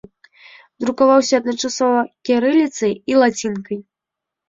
Друкаваўся адначасова кірыліцай і лацінкай.